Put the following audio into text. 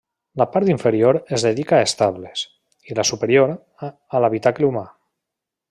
La part inferior es dedica a estables i la superior, a l'habitacle humà.